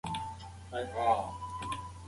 موږ باید د پوهانو نظرونو ته درناوی وکړو.